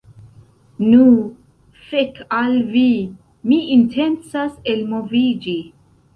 Nu, fek al vi, mi intencas elmoviĝi.